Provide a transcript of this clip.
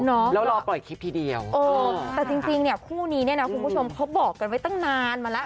แล้วรอปล่อยคลิปทีเดียวเออแต่จริงเนี่ยคู่นี้เนี่ยนะคุณผู้ชมเขาบอกกันไว้ตั้งนานมาแล้ว